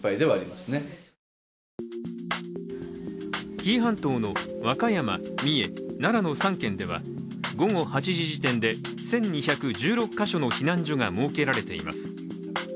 紀伊半島の和歌山、三重、奈良の３県では午後８時時点で１２１６か所の避難所が設けられています。